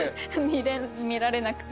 見られなくて。